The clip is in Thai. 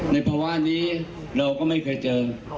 ในภาวะนี้เราก็ไม่เคยเจอ